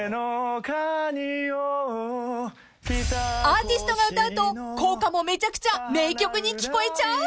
［アーティストが歌うと校歌もめちゃくちゃ名曲に聞こえちゃう！？］お！